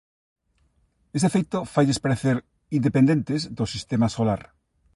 Este feito failles parecer "independentes" do Sistema Solar.